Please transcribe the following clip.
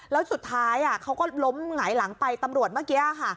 แล้วสุดท้ายเขาก็ล้มหงายหลังไปตำรวจเมื่อกี้